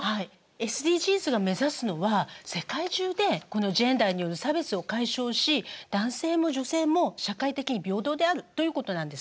ＳＤＧｓが目指すのは世界中でこのジェンダーによる差別を解消し男性も女性も社会的に平等であるということなんです。